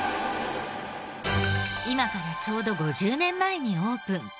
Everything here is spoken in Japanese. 今からちょうど５０年前にオープン。